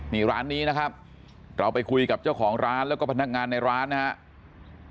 นี่ร้านนี้นะครับเราไปคุยกับเจ้าของร้านแล้วก็พนักงานในร้านนะครับ